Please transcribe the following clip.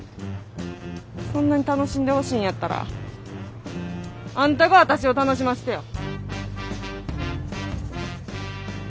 そんなに楽しんでほしいんやったらあんたが私を楽しませてよ。は？